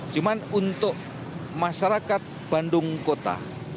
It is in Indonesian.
cuma untuk masyarakat bandung kota